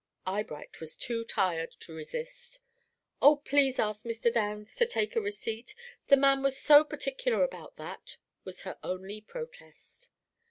Eyebright was too tired to resist. "Oh, please ask Mr. Downs to take a receipt, the man was so particular about that," was her only protest.